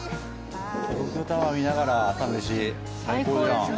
東京タワー見ながら朝メシ最高じゃん。